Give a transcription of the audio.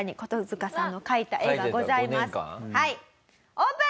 オープン！